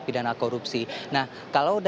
pidana korupsi nah kalau